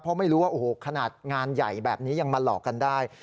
เพราะไม่รู้ว่าโอ้โหขนาดงานใหญ่แบบนี้ยังมาหลอกกันได้